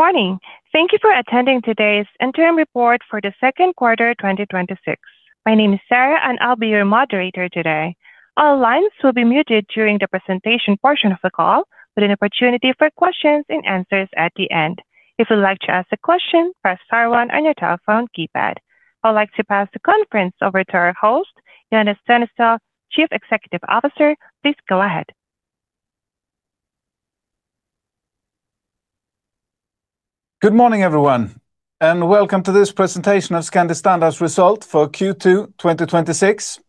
Good morning. Thank you for attending today's interim report for the second quarter 2026. My name is Sarah, and I'll be your moderator today. All lines will be muted during the presentation portion of the call, with an opportunity for questions and answers at the end. If you'd like to ask a question, press star one on your telephone keypad. I'd like to pass the conference over to our host, Jonas Tunestål, Chief Executive Officer. Please go ahead. Good morning, everyone, and welcome to this presentation of Scandi Standard's result for Q2 2026.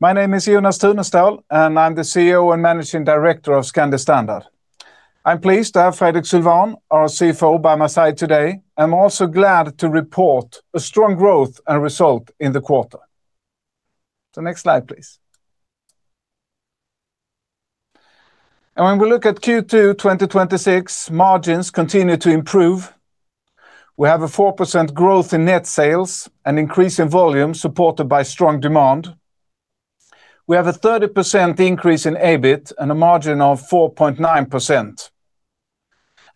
My name is Jonas Tunestål, and I'm the Chief Executive Officer and Managing Director of Scandi Standard. I'm pleased to have Fredrik Sylwan, our Chief Financial Officer, by my side today. I'm also glad to report a strong growth and result in the quarter. Next slide, please. When we look at Q2 2026, margins continue to improve. We have a 4% growth in net sales and increase in volume, supported by strong demand. We have a 30% increase in EBIT and a margin of 4.9%.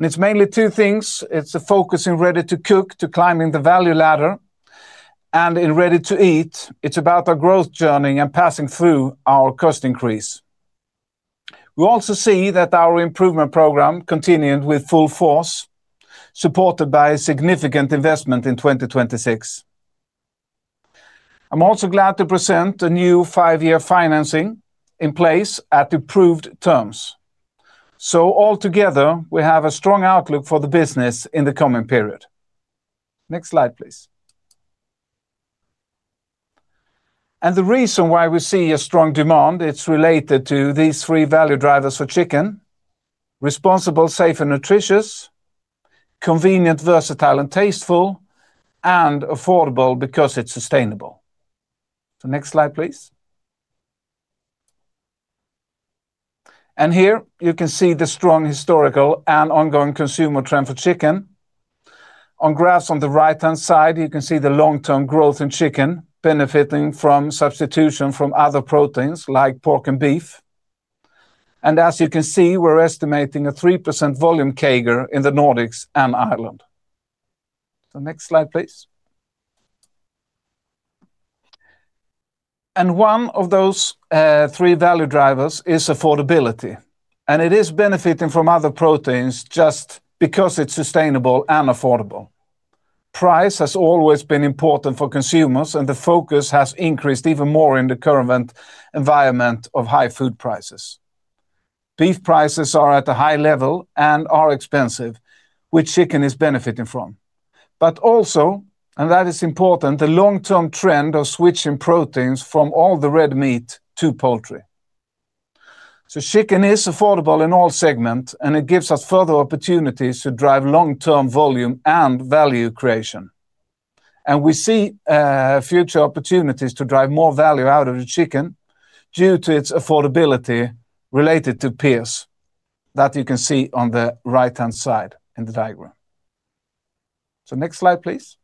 It's mainly two things. It's the focus in ready-to-cook to climbing the value ladder, and in ready-to-eat, it's about our growth journey and passing through our cost increase. We also see that our improvement program continued with full force, supported by a significant investment in 2026. I'm also glad to present a new five-year financing in place at improved terms. Altogether, we have a strong outlook for the business in the coming period. Next slide, please. The reason why we see a strong demand, it's related to these three value drivers for chicken: responsible, safe, and nutritious; convenient, versatile, and tasteful; and affordable because it's sustainable. Next slide, please. Here, you can see the strong historical and ongoing consumer trend for chicken. On graphs on the right-hand side, you can see the long-term growth in chicken benefiting from substitution from other proteins like pork and beef. As you can see, we're estimating a 3% volume CAGR in the Nordics and Ireland. Next slide, please. One of those three value drivers is affordability, and it is benefiting from other proteins just because it's sustainable and affordable. Price has always been important for consumers, and the focus has increased even more in the current environment of high food prices. Beef prices are at a high level and are expensive, which chicken is benefiting from, but also, that is important, the long-term trend of switching proteins from all the red meat to poultry. Chicken is affordable in all segments, and it gives us further opportunities to drive long-term volume and value creation. We see future opportunities to drive more value out of the chicken due to its affordability related to peers that you can see on the right-hand side in the diagram. Next slide, please.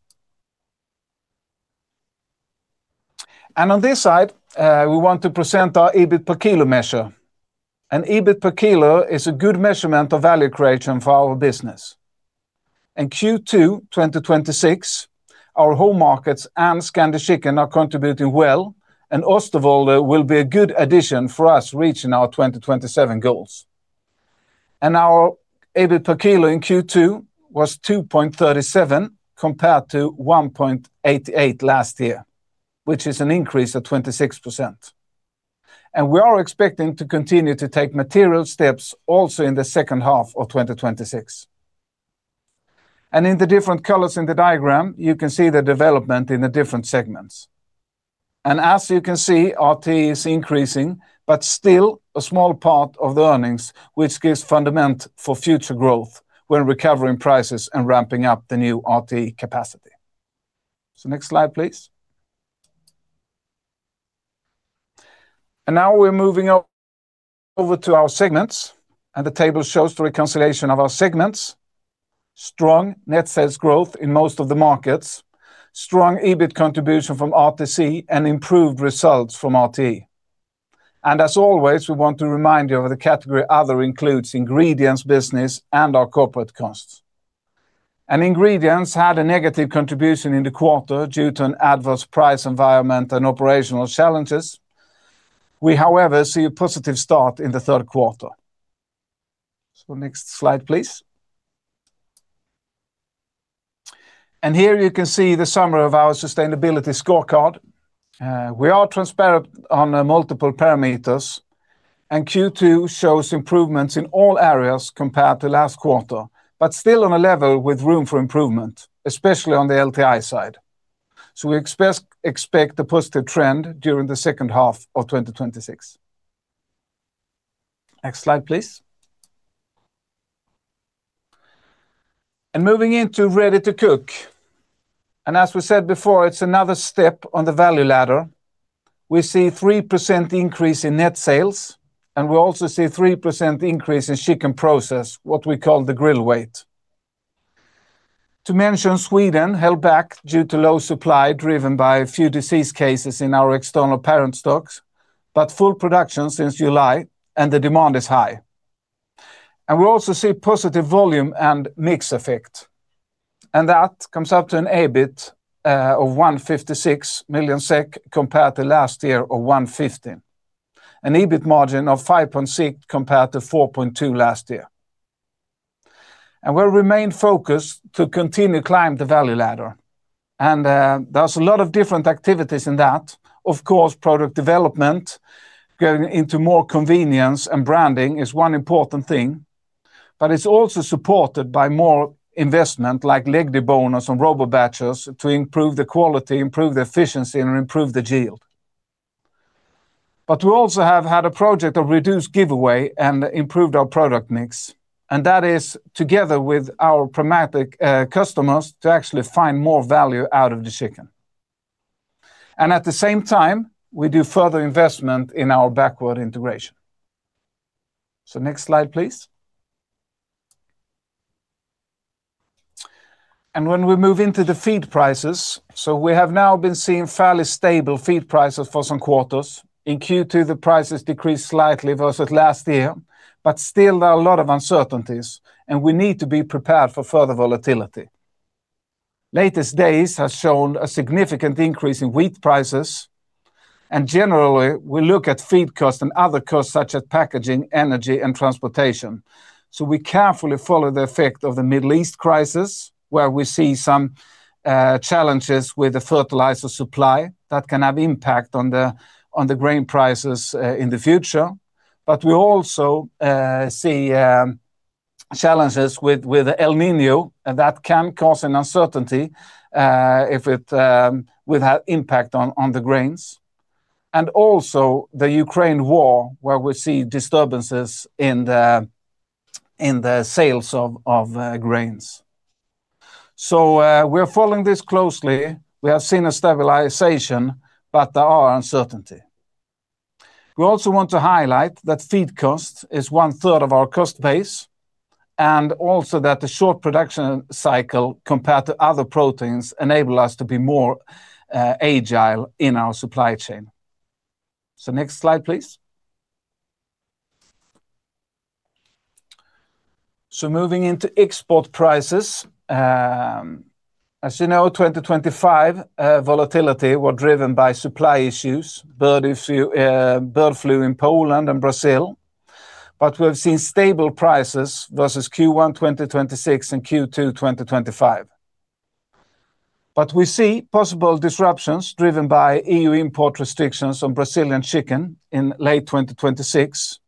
On this side, we want to present our EBIT per kilo measure. An EBIT per kilo is a good measurement of value creation for our business. In Q2 2026, our home markets and Scandi Chicken are contributing well. Oosterwolde will be a good addition for us reaching our 2027 goals. Our EBIT per kilo in Q2 was 2.37, compared to 1.88 last year, which is an increase of 26%. We are expecting to continue to take material steps also in the second half of 2026. In the different colors in the diagram, you can see the development in the different segments. As you can see, RTE is increasing, but still a small part of the earnings, which gives fundament for future growth when recovering prices and ramping up the new RTE capacity. Next slide, please. Now we're moving over to our segments. The table shows the reconciliation of our segments. Strong net sales growth in most of the markets, strong EBIT contribution from RTC, and improved results from RTE. As always, we want to remind you of the category Other includes Ingredients business and our corporate costs. Ingredients had a negative contribution in the quarter due to an adverse price environment and operational challenges. We, however, see a positive start in the third quarter. Next slide, please. Here you can see the summary of our sustainability scorecard. We are transparent on multiple parameters. Q2 shows improvements in all areas compared to last quarter, but still on a level with room for improvement, especially on the LTI side. We expect a positive trend during the second half of 2026. Next slide, please. Moving into ready-to-cook, as we said before, it's another step on the value ladder. We see a 3% increase in net sales. We also see a 3% increase in chicken process, what we call the grill weight. To mention, Sweden held back due to low supply, driven by a few disease cases in our external parent stocks, but full production since July and the demand is high. We also see positive volume and mix effect. That comes up to an EBIT of 156 million SEK compared to last year of 115 million. An EBIT margin of 5.6% compared to 4.2% last year. We'll remain focused to continue climb the value ladder. There's a lot of different activities in that. Of course, product development, going into more convenience and branding is one important thing, but it's also supported by more investment like leg deboners and RoboBatchers to improve the quality, improve the efficiency, and improve the yield. We also have had a project of reduced giveaway and improved our product mix, and that is together with our pragmatic customers to actually find more value out of the chicken. At the same time, we do further investment in our backward integration. Next slide, please. When we move into the feed prices, we have now been seeing fairly stable feed prices for some quarters. In Q2, the prices decreased slightly versus last year, but still there are a lot of uncertainties, and we need to be prepared for further volatility. Latest days have shown a significant increase in wheat prices. Generally, we look at feed costs and other costs such as packaging, energy, and transportation. We carefully follow the effect of the Middle East crisis, where we see some challenges with the fertilizer supply that can have impact on the grain prices in the future. We also see challenges with El Niño, and that can cause an uncertainty, if it will have impact on the grains. Also the Ukraine war, where we see disturbances in the sales of grains. We're following this closely. We have seen a stabilization, but there are uncertainty. We also want to highlight that feed cost is 1/3 of our cost base, and also that the short production cycle compared to other proteins enable us to be more agile in our supply chain. Next slide please. Moving into export prices. As you know, 2025 volatility were driven by supply issues, bird flu in Poland and Brazil. We have seen stable prices versus Q1 2026 and Q2 2025. We see possible disruptions driven by EU import restrictions on Brazilian chicken in late 2026.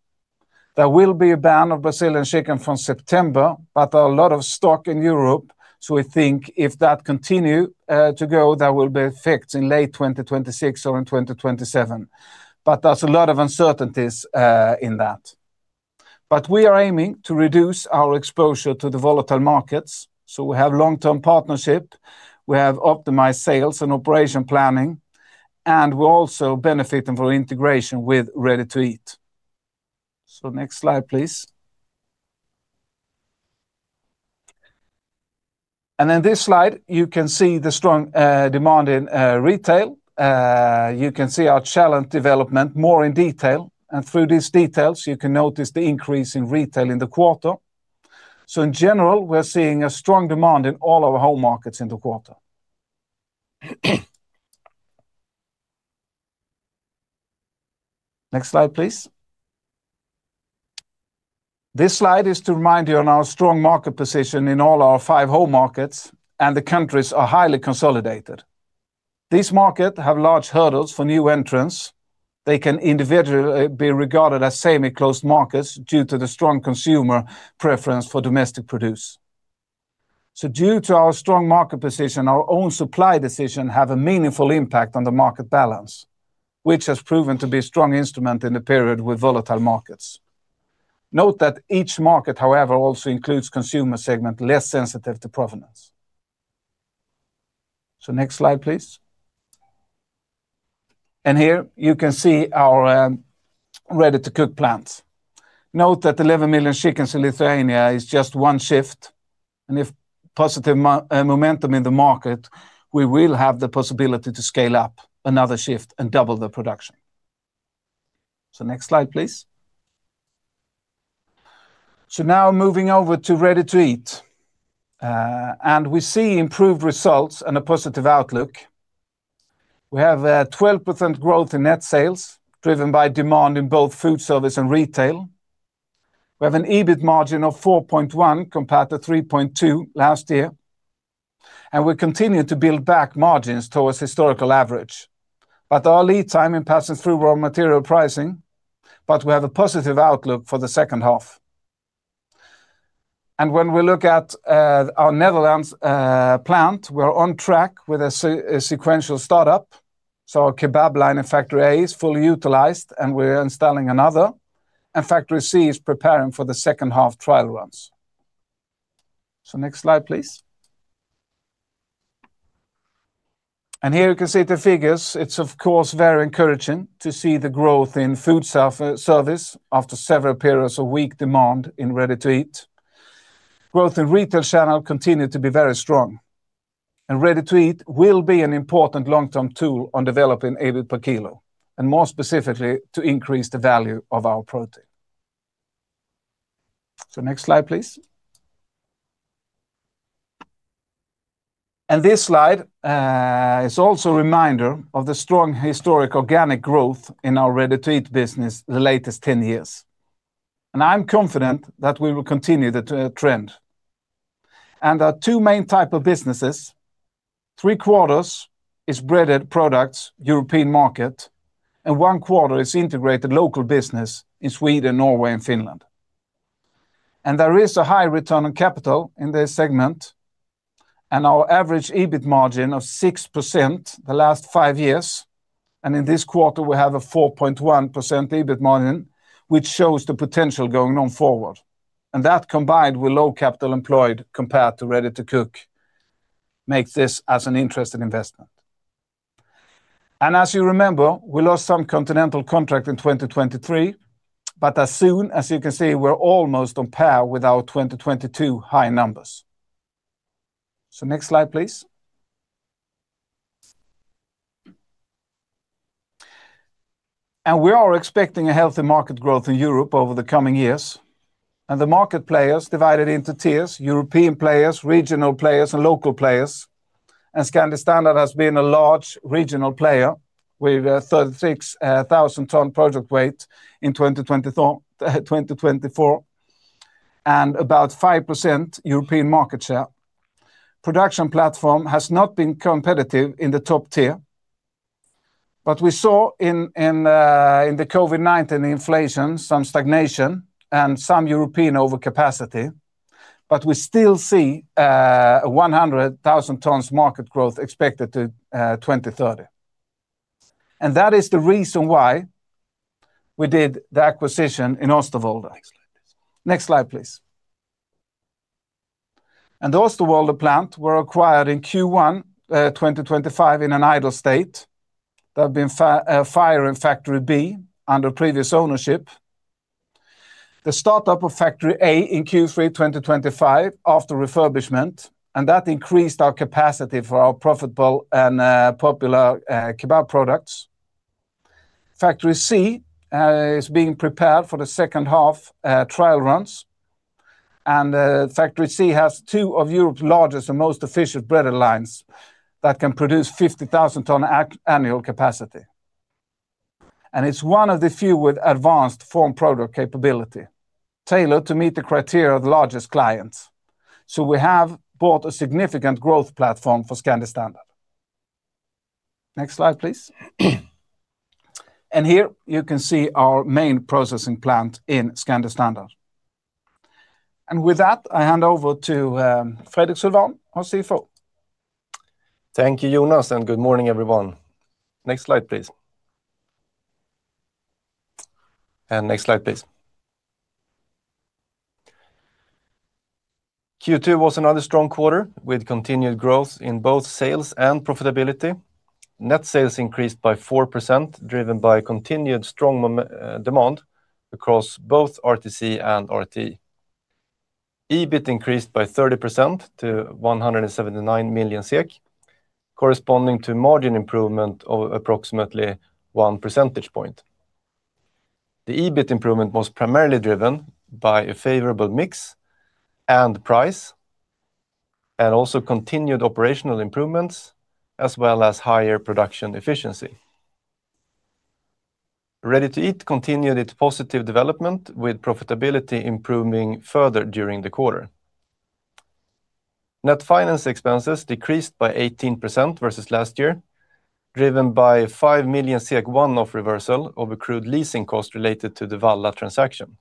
There will be a ban of Brazilian chicken from September, but there are a lot of stock in Europe. We think if that continue to go, there will be effects in late 2026 or in 2027. There's a lot of uncertainties in that. We are aiming to reduce our exposure to the volatile markets. We have long-term partnership, we have optimized sales and operation planning, and we're also benefiting from integration with ready-to-eat. Next slide please. In this slide, you can see the strong demand in retail. You can see our channel development more in detail. Through these details, you can notice the increase in retail in the quarter. In general, we're seeing a strong demand in all our home markets in the quarter. Next slide please. This slide is to remind you on our strong market position in all our five home markets, and the countries are highly consolidated. These market have large hurdles for new entrants. They can individually be regarded as semi-closed markets due to the strong consumer preference for domestic produce. Due to our strong market position, our own supply decision have a meaningful impact on the market balance, which has proven to be a strong instrument in the period with volatile markets. Note that each market, however, also includes consumer segment less sensitive to provenance. Next slide please. Here you can see our ready-to-cook plants. Note that 11 million chickens in Lithuania is just one shift, and if positive momentum in the market, we will have the possibility to scale up another shift and double the production. Next slide please. Now moving over to ready-to-eat. We see improved results and a positive outlook. We have 12% growth in net sales driven by demand in both food service and retail. We have an EBIT margin of 4.1% compared to 3.2% last year. We continue to build back margins towards historical average. But our lead time in passing through raw material pricing, but we have a positive outlook for the second half. When we look at our Netherlands plant, we're on track with a sequential startup. Our kebab line in Factory A is fully utilized, and we're installing another. Factory C is preparing for the second-half trial runs. Next slide, please. Here you can see the figures. It's, of course, very encouraging to see the growth in food service after several periods of weak demand in ready-to-eat. Growth in retail channel continued to be very strong. Ready-to-eat will be an important long-term tool on developing EBIT per kilo, and more specifically, to increase the value of our protein. Next slide, please. This slide is also a reminder of the strong historic organic growth in our ready-to-eat business the latest 10 years. I am confident that we will continue the trend. Our two main type of businesses, three quarters is breaded products, European market, and one quarter is integrated local business in Sweden, Norway, and Finland. There is a high return on capital in this segment and our average EBIT margin of 6% the last five years. In this quarter, we have a 4.1% EBIT margin, which shows the potential going on forward. That combined with low capital employed compared to ready-to-cook makes this as an interesting investment. As you remember, we lost some continental contract in 2023, but as soon as you can see, we are almost on par with our 2022 high numbers. Next slide, please. We are expecting a healthy market growth in Europe over the coming years. The market players divided into tiers, European players, regional players, and local players. Scandi Standard has been a large regional player with 36,000 ton product weight in 2024, and about 5% European market share. Production platform has not been competitive in the top tier, but we saw in the COVID-19 inflation, some stagnation and some European overcapacity. We still see 100,000 tons market growth expected to 2030. That is the reason why we did the acquisition in Oosterwolde. Next slide, please. The Oosterwolde plant was acquired in Q1 2025 in an idle state. There has been a fire in factory B under previous ownership. The startup of factory A in Q3 2025 after refurbishment. That increased our capacity for our profitable and popular kebab products. Factory C is being prepared for the second half trial runs. Factory C has two of Europe's largest and most efficient breader lines that can produce 50,000 ton annual capacity. It is one of the few with advanced form product capability tailored to meet the criteria of the largest clients. We have bought a significant growth platform for Scandi Standard. Next slide, please. Here you can see our main processing plant in Scandi Standard. With that, I hand over to Fredrik Sylwan, our Chief Financial Officer. Thank you, Jonas, and good morning, everyone. Next slide, please. Next slide, please. Q2 was another strong quarter with continued growth in both sales and profitability. Net sales increased by 4%, driven by continued strong demand across both RTC and RTE. EBIT increased by 30% to 179 million SEK, corresponding to margin improvement of approximately one percentage point. The EBIT improvement was primarily driven by a favorable mix and price, and also continued operational improvements as well as higher production efficiency. Ready-to-eat continued its positive development with profitability improving further during the quarter. Net finance expenses decreased by 18% versus last year, driven by 5 million SEK, one-off reversal of accrued leasing costs related to the Valla transaction.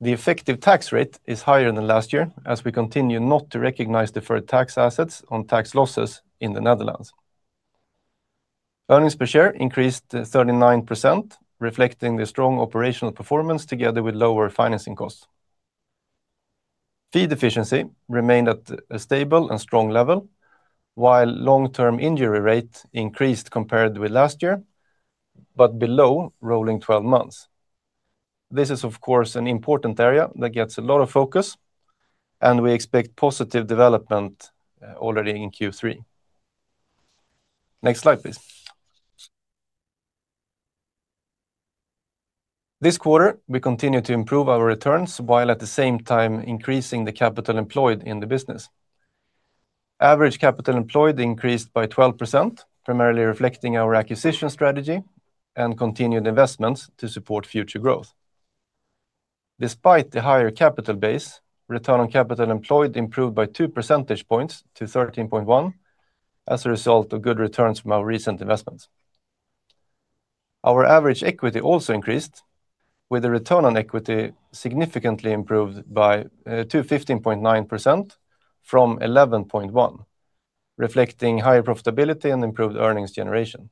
The effective tax rate is higher than last year as we continue not to recognize deferred tax assets on tax losses in the Netherlands. Earnings per share increased 39%, reflecting the strong operational performance together with lower financing costs. Feed efficiency remained at a stable and strong level, while long-term injury rate increased compared with last year, but below rolling 12 months. This is, of course, an important area that gets a lot of focus, and we expect positive development already in Q3. Next slide, please. This quarter, we continue to improve our returns while at the same time increasing the capital employed in the business. Average capital employed increased by 12%, primarily reflecting our acquisition strategy and continued investments to support future growth. Despite the higher capital base, return on capital employed improved by 2 percentage points to 13.1% as a result of good returns from our recent investments. Our average equity also increased with the return on equity significantly improved to 15.9% from 11.1%, reflecting higher profitability and improved earnings generation.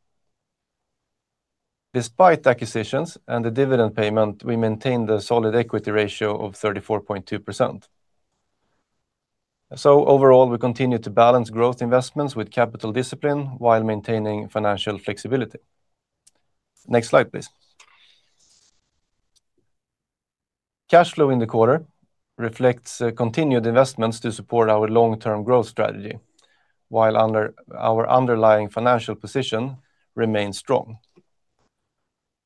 Despite acquisitions and the dividend payment, we maintain the solid equity ratio of 34.2%. Overall, we continue to balance growth investments with capital discipline while maintaining financial flexibility. Next slide, please. Cash flow in the quarter reflects continued investments to support our long-term growth strategy while our underlying financial position remains strong.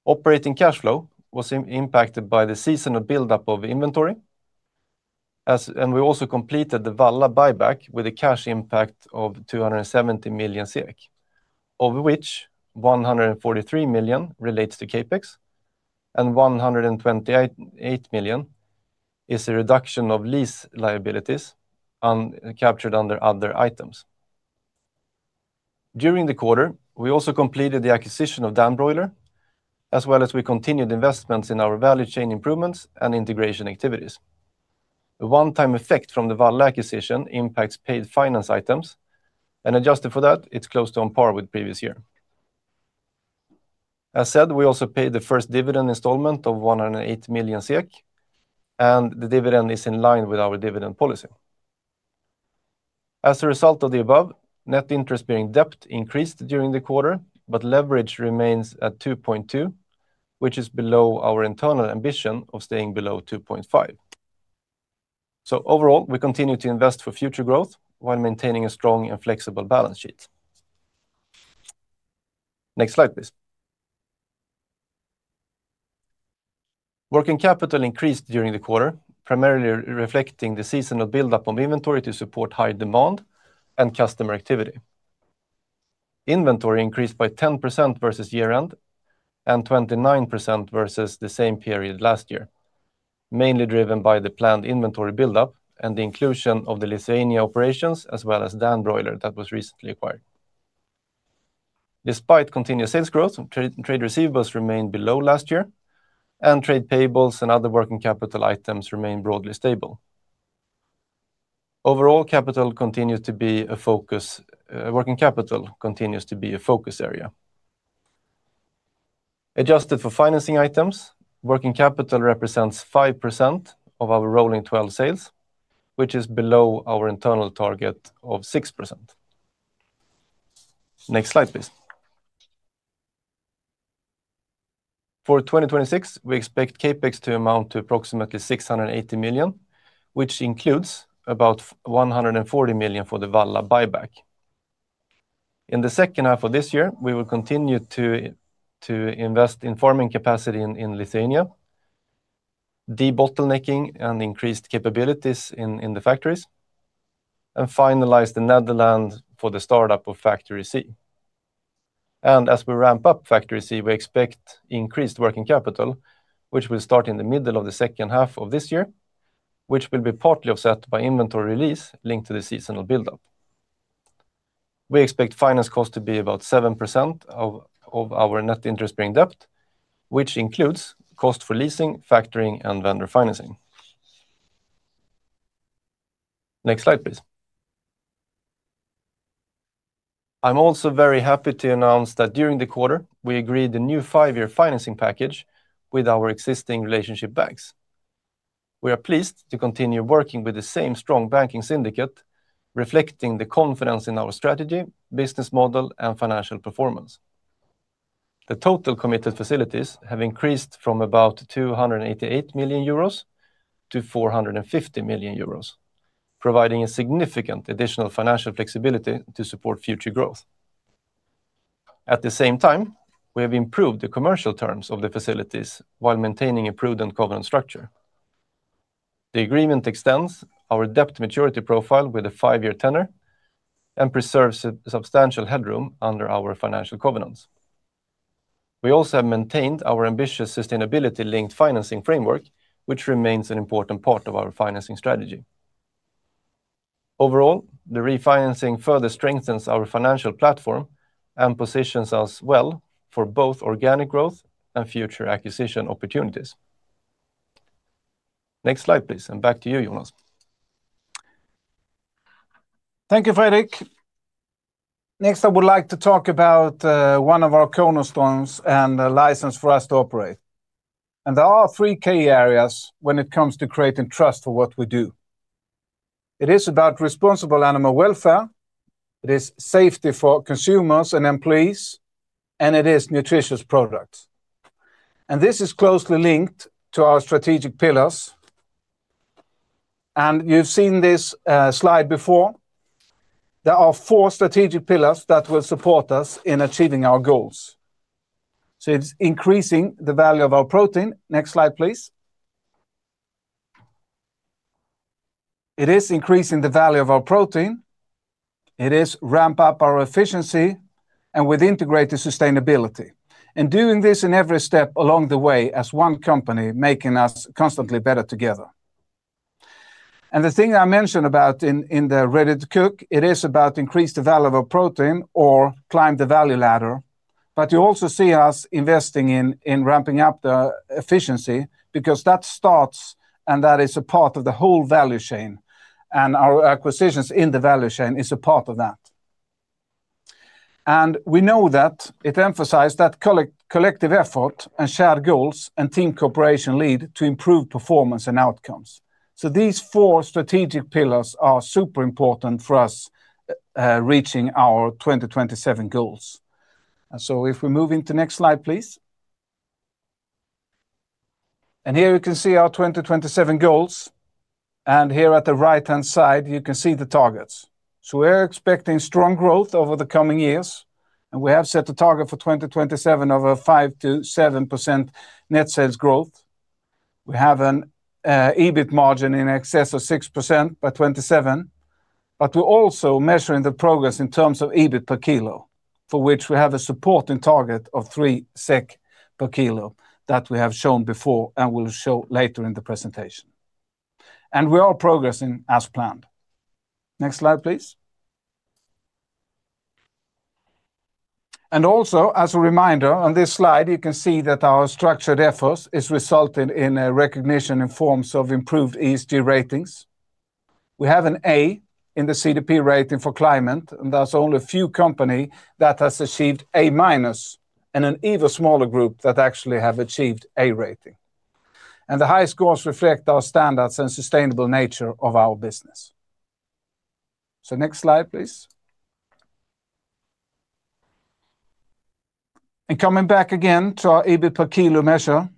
Operating cash flow was impacted by the seasonal buildup of inventory, and we also completed the Valla buyback with a cash impact of 270 million SEK, of which 143 million relates to CapEx and 128 million is a reduction of lease liabilities captured under other items. During the quarter, we also completed the acquisition of Danbroiler, as well as we continued investments in our value chain improvements and integration activities. The one-time effect from the Valla acquisition impacts paid finance items, and adjusted for that, it's close to on par with previous year. As said, we also paid the first dividend installment of 108 million SEK, and the dividend is in line with our dividend policy. As a result of the above, net interest-bearing debt increased during the quarter, but leverage remains at 2.2, which is below our internal ambition of staying below 2.5. Overall, we continue to invest for future growth while maintaining a strong and flexible balance sheet. Next slide, please. Working capital increased during the quarter, primarily reflecting the seasonal buildup of inventory to support high demand and customer activity. Inventory increased by 10% versus year-end and 29% versus the same period last year, mainly driven by the planned inventory buildup and the inclusion of the Lithuania operations as well as Danbroiler that was recently acquired. Despite continued sales growth, trade receivables remained below last year, and trade payables and other working capital items remained broadly stable. Overall working capital continues to be a focus area. Adjusted for financing items, working capital represents 5% of our rolling 12 sales, which is below our internal target of 6%. Next slide, please. For 2026, we expect CapEx to amount to approximately 680 million, which includes about 140 million for the Valla buyback. In the second half of this year, we will continue to invest in farming capacity in Lithuania, debottlenecking and increased capabilities in the factories, and finalize the Netherlands for the startup of Factory C. As we ramp up Factory C, we expect increased working capital, which will start in the middle of the second half of this year, which will be partly offset by inventory release linked to the seasonal buildup. We expect finance cost to be about 7% of our net interest-bearing debt, which includes cost for leasing, factoring, and vendor financing. Next slide, please. I'm also very happy to announce that during the quarter, we agreed the new five-year financing package with our existing relationship banks. We are pleased to continue working with the same strong banking syndicate, reflecting the confidence in our strategy, business model, and financial performance. The total committed facilities have increased from about 288 million-450 million euros, providing a significant additional financial flexibility to support future growth. At the same time, we have improved the commercial terms of the facilities while maintaining a prudent covenant structure. The agreement extends our debt maturity profile with a five-year tenor and preserves substantial headroom under our financial covenants. We also have maintained our ambitious sustainability-linked financing framework, which remains an important part of our financing strategy. Overall, the refinancing further strengthens our financial platform and positions us well for both organic growth and future acquisition opportunities. Next slide, please, and back to you, Jonas. Thank you, Fredrik. Next, I would like to talk about one of our cornerstones and the license for us to operate. There are three key areas when it comes to creating trust for what we do. It is about responsible animal welfare, it is safety for consumers and employees, and it is nutritious products. This is closely linked to our strategic pillars. You've seen this slide before. There are four strategic pillars that will support us in achieving our goals. It's increasing the value of our protein. Next slide, please. It is increasing the value of our protein, it is ramp up our efficiency and with integrated sustainability. Doing this in every step along the way as one company, making us constantly better together. The thing I mentioned about in the ready-to-cook, it is about increase the value of our protein or climb the value ladder. You also see us investing in ramping up the efficiency because that starts and that is a part of the whole value chain, and our acquisitions in the value chain is a part of that. We know that it emphasized that collective effort and shared goals and team cooperation lead to improved performance and outcomes. These four strategic pillars are super important for us reaching our 2027 goals. If we move into next slide, please. Here you can see our 2027 goals. Here at the right-hand side you can see the targets. We're expecting strong growth over the coming years. We have set a target for 2027 of a 5%-7% net sales growth. We have an EBIT margin in excess of 6% by 2027. We're also measuring the progress in terms of EBIT per kilo, for which we have a supporting target of 3 SEK per kilo that we have shown before and will show later in the presentation. We are progressing as planned. Next slide, please. Also as a reminder, on this slide you can see that our structured efforts are resulting in a recognition in terms of improved ESG ratings. We have an A in the CDP rating for climate, and there's only a few companies that has achieved A- and an even smaller group that actually have achieved A rating. The high scores reflect our standards and sustainable nature of our business. Next slide, please. Coming back again to our EBIT per kilo measure.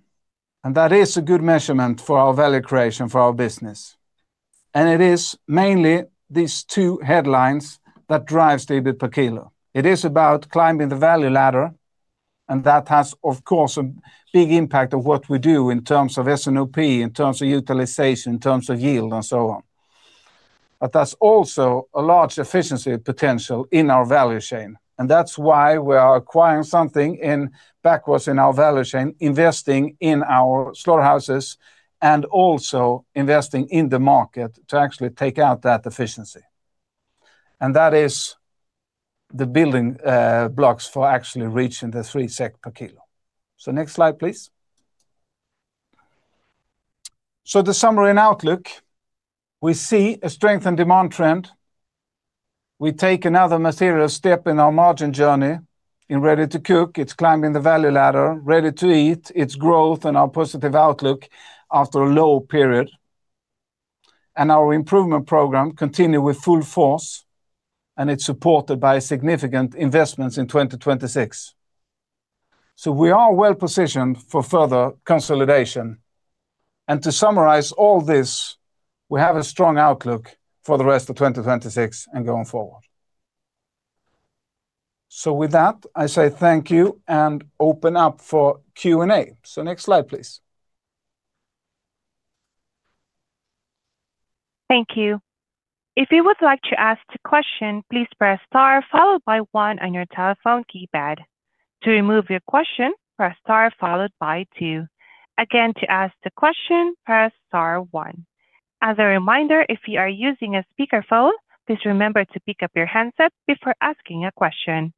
That is a good measurement for our value creation for our business. It is mainly these two headlines that drive the EBIT per kilo. It is about climbing the value ladder. That has of course, a big impact of what we do in terms of S&OP, in terms of utilization, in terms of yield, and so on. There's also a large efficiency potential in our value chain, and that's why we are acquiring something backwards in our value chain, investing in our storehouses and also investing in the market to actually take out that efficiency. That is the building blocks for actually reaching the 3 SEK per kilo. Next slide, please. The summary and outlook, we see a strength and demand trend. We take another material step in our margin journey in ready-to-cook, it's climbing the value ladder, ready-to-eat, it's growth and our positive outlook after a low period. Our improvement program continues with full force. It's supported by significant investments in 2026. We are well-positioned for further consolidation. To summarize all this, we have a strong outlook for the rest of 2026 and going forward. With that, I say thank you and open up for Q&A. Next slide, please. Thank you. If you would like to ask a question, please press star followed by one on your telephone keypad. To remove your question, press star followed by two. Again, to ask the question, press star one. As a reminder, if you are using a speakerphone, please remember to pick up your handset before asking a question.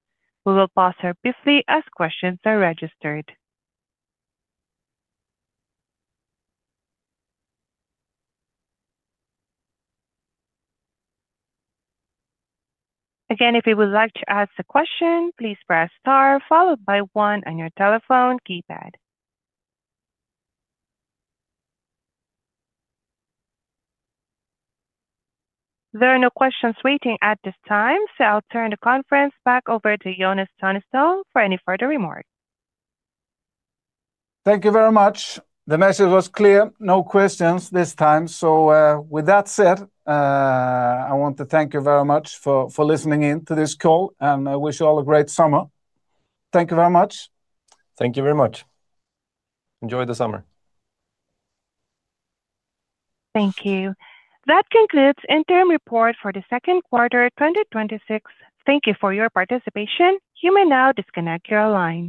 We will pause briefly as questions are registered. Again, if you would like to ask a question, please press star followed by one on your telephone keypad. There are no questions waiting at this time, so I'll turn the conference back over to Jonas Tunestål for any further remarks. Thank you very much. The message was clear. No questions this time. With that said, I want to thank you very much for listening in to this call, and I wish you all a great summer. Thank you very much. Thank you very much. Enjoy the summer. Thank you. That concludes interim report for the second quarter 2026. Thank you for your participation. You may now disconnect your line.